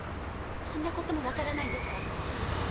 そんなことも分からないんですか？